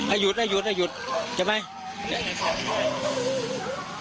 อ่ะหยุดอ่ะหยุดอ่ะหยุดใช่ไหม